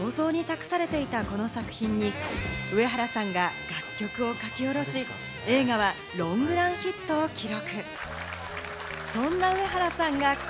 大ヒット漫画が原作で音は読者の想像に託されていた、この作品に上原さんが楽曲を書き下ろし、映画はロングランヒットを記録。